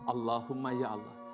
allahumma ya allah